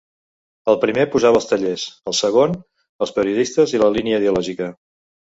El primer posava els tallers; el segon, els periodistes i la línia ideològica.